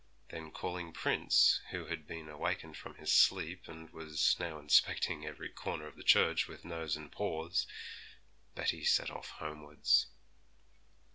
Then calling Prince, who had been awakened from his sleep, and was now inspecting every corner of the church with nose and paws, Betty set off homewards.